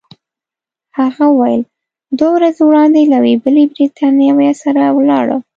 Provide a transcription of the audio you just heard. هغه وویل: دوه ورځې وړاندي له یوې بلې بریتانوۍ سره ولاړه.